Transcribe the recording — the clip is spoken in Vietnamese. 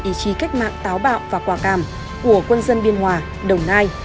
ý chí cách mạng táo bạo và quả càm của quân dân biên hòa đồng nai